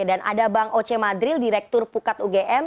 ada bang oce madril direktur pukat ugm